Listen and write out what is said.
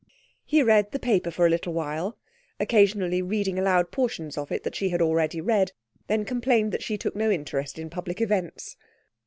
He read the paper for a little while, occasionally reading aloud portions of it that she had already read, then complained that she took no interest in public events.